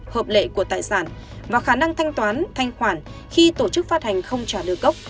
hợp lệ của tài sản và khả năng thanh toán thanh khoản khi tổ chức phát hành không trả được gốc